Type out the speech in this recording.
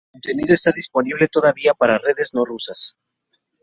Todo el contenido está disponible todavía para redes no rusas.